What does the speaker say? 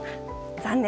残念。